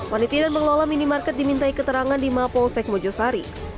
panitia dan pengelola minimarket dimintai keterangan di mapolsek mojosari